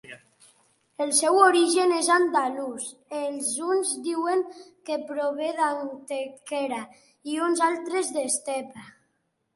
El seu origen és andalús; els uns diuen que prové d'Antequera i uns altres, d'Estepa.